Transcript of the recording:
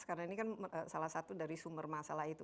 karena ini kan salah satu dari sumber masalah itu